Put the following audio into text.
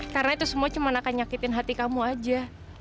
karena itu semua cuman akan nyakitin hati kamu aja